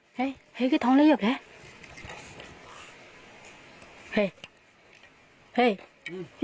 จากเดี๋ยวสบายสหายแล้วจะไม่เพิ่มกัน